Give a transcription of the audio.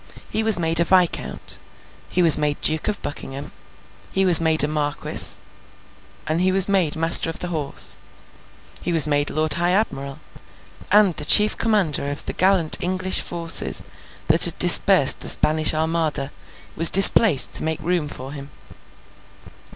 He was made a viscount, he was made Duke of Buckingham, he was made a marquis, he was made Master of the Horse, he was made Lord High Admiral—and the Chief Commander of the gallant English forces that had dispersed the Spanish Armada, was displaced to make room for him.